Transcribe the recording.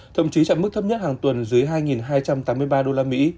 thậm chí chẳng mức thấp nhất hàng tuần dưới hai hai trăm tám mươi ba usd